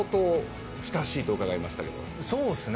そうっすね。